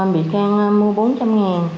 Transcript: bị can mua bốn trăm linh đồng